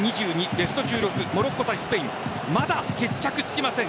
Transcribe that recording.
ベスト１６、モロッコ対スペインまだ、決着つきません。